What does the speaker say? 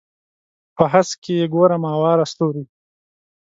په هسک کې ګورم اواره ستوري